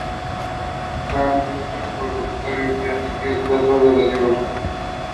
Van Doesburg, por el contrario, sí admitió el trazo de la diagonal.